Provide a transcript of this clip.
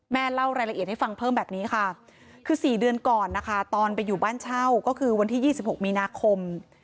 เล่ารายละเอียดให้ฟังเพิ่มแบบนี้ค่ะคือ๔เดือนก่อนนะคะตอนไปอยู่บ้านเช่าก็คือวันที่๒๖มีนาคม